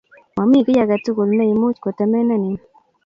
Mami kiy ake tukul ne imuch kotemenen